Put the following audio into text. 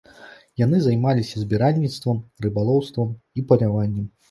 Яны займаліся збіральніцтвам, рыбалоўствам і паляваннем.